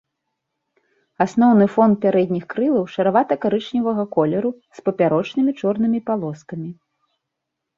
Асноўны фон пярэдніх крылаў шаравата-карычневага колеру з папярочнымі чорнымі палоскамі.